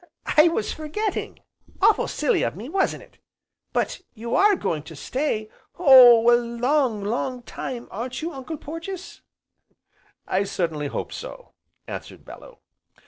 I was forgetting, awfull' silly of me wasn't it! But you are going to stay Oh a long, long time, aren't you, Uncle Porges?" "I sincerely hope so!" answered Bellew.